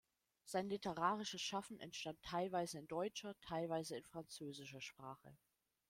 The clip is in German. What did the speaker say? Sein literarisches Schaffen entstand teilweise in deutscher, teilweise in französischer Sprache.